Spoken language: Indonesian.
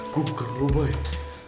gue bukan lupa itu